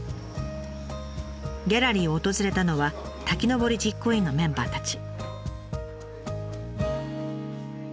ギャラリーを訪れたのは滝登り実行委員のメンバーたち。